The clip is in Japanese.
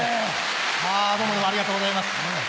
あどうもどうもありがとうございます。